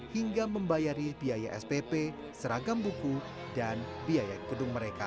hingga membayari biaya spp seragam buku dan biaya gedung mereka